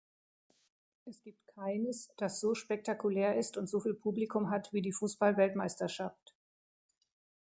Es gibt keines, das so spektakulär ist und soviel Publikum hat wie die Fußballweltmeisterschaft.